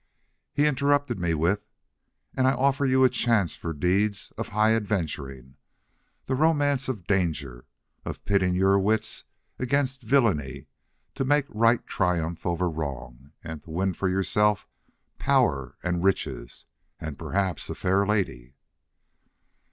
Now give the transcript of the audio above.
He interrupted me with, "And I offer you a chance for deeds of high adventuring. The romance of danger, of pitting your wits against villainy to make right triumph over wrong, and to win for yourself power and riches and perhaps a fair lady...."